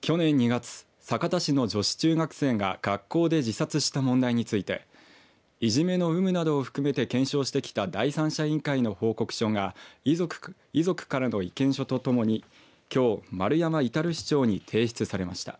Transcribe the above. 去年２月、酒田市の女子中学生が学校で自殺した問題についていじめの有無などを含めて検証してきた第三者委員会の報告書が遺族からの意見書とともにきょう丸山至市長に提出されました。